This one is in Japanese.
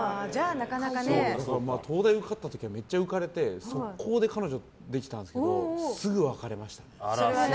だから、東大受かった時はめっちゃ浮かれて速攻で彼女できたんですけどすぐ別れましたね。